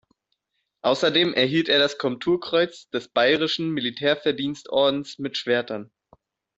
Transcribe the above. Außerdem erhielt er das Komturkreuz des Bayerischen Militärverdienstordens mit Schwertern.